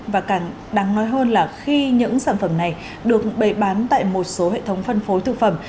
và càng đáng nói hơn là khi những sản phẩm này được bày bán tại một số hệ thống phân phối thực phẩm